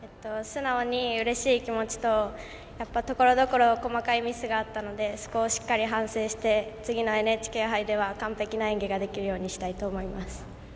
素直にうれしい気持ちとやっぱりところどころ細かいミスがあったのでそこをしっかり反省して次のＮＨＫ杯では完璧な演技ができるようにしたいと思います。